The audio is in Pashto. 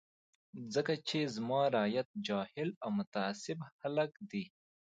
ځکه چې زما رعیت جاهل او متعصب خلک دي.